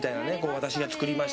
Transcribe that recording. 私が作りました